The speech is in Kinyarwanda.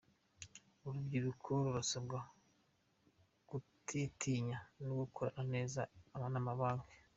Urubyiruko rurasabwa kutitinya no gukorana neza n’amabanki